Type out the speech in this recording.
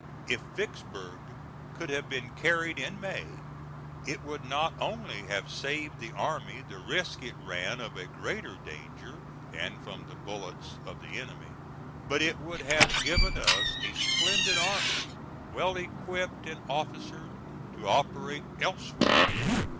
If Vicksburg could have been carried in May, it would not only have saved the army the risk it ran of a greater danger than from the bullets of the enemy, but it would have given us a splendid army, well equipped and officered, to operate elsewhere with.